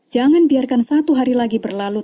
jangan biarkan satu hari lagi berlalu